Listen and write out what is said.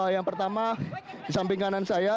yang pertama samping kanan saya